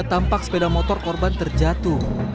tampak sepeda motor korban terjatuh